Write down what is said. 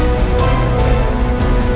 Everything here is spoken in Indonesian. istri anda hamil pak